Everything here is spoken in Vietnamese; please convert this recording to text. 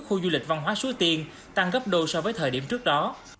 khu du lịch văn hóa suối tiên tăng gấp đôi so với thời điểm trước đó